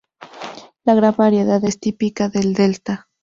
La gran variedad es típica del Delta.